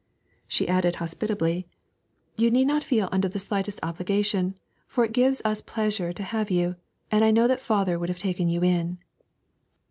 She added hospitably, 'You need not feel under the slightest obligation, for it gives us pleasure to have you, and I know that father would have taken you in.'